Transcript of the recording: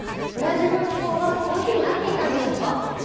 ブラジルの気候がコーヒーに合っていたんでしょうか？